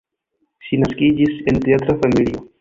Ŝi naskiĝis en teatra familio.